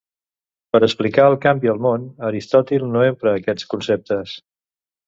Per a explicar el canvi al món, Aristòtil no empra aquests conceptes.